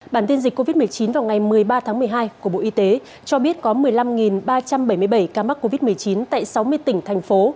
bản tin dịch covid một mươi chín vào ngày một mươi ba tháng một mươi hai của bộ y tế cho biết có một mươi năm ba trăm bảy mươi bảy ca mắc covid một mươi chín tại sáu mươi tỉnh thành phố